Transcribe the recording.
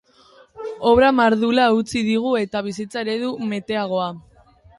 Obra mardula utzi digu eta bizitza eredu beteagoa.